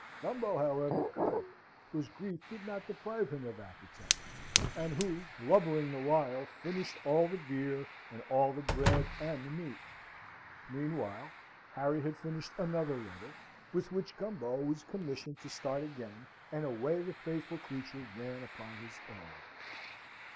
Gumbo, however, could, whose grief did not deprive him of appetite, and who, blubbering the while, finished all the beer, and all the bread and the meat. Meanwhile, Harry had finished another letter, with which Gumbo was commissioned to start again, and away the faithful creature ran upon his errand.